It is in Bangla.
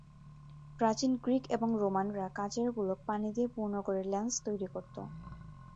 প্রাচীন গ্রিক এবং রোমানরা কাচের গোলক পানি দিয়ে পূর্ণ করে লেন্স তৈরী করত।